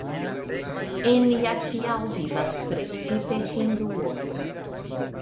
En Jagtial vivas precipe hinduoj.